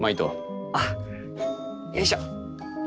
あっよいしょ。